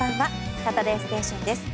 「サタデーステーション」です。